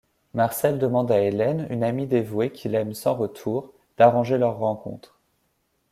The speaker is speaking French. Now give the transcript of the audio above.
Marcel demande à Hélène, une amie dévouée qui l'aime sans retour, d'arranger leur rencontre.